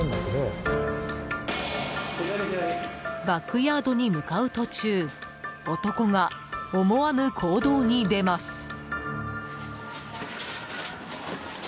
バックヤードに向かう途中男が思わぬ行動に出ます。